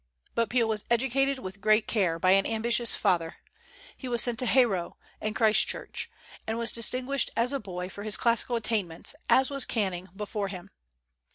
But Peel was educated with great care by an ambitious father. He was sent to Harrow and Christ Church, and was distinguished as a boy for his classical attainments, as was Canning before him.